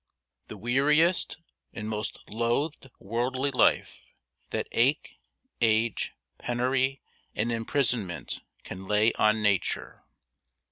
The weariest and most loathed worldly life That ache, age, penury and imprisonment Can lay on nature.